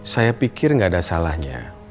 saya pikir tidak ada salahnya